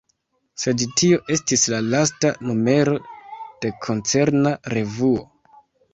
Sed tio estis la lasta numero de koncerna revuo.